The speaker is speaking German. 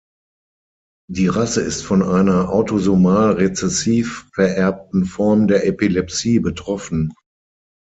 Die Rasse ist von einer autosomal-rezessiv vererbten Form der Epilepsie betroffen.